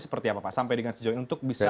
seperti apa pak sampai dengan sejauh ini untuk bisa